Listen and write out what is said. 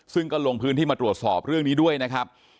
ซึ่งก็ลงพื้นที่มาตรวจสอบเรื่องนี้ด้วยนะครับ